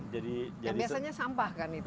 yang biasanya sampah kan itu